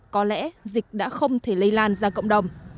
có lẽ dịch đã không thể lây lan ra cộng đồng